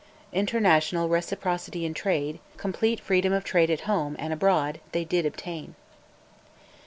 International reciprocity in trade, complete freedom of trade at home and abroad, they did obtain.